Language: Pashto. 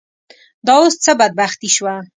دا اوس څه بدبختي شوه.